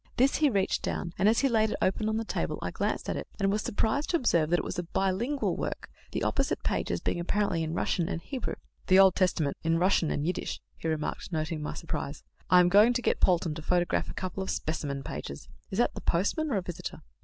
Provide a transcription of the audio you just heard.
This he reached down, and as he laid it open on the table, I glanced at it, and was surprised to observe that it was a bi lingual work, the opposite pages being apparently in Russian and Hebrew. "The Old Testament in Russian and Yiddish," he remarked, noting my surprise. "I am going to get Polton to photograph a couple of specimen pages is that the postman or a visitor?"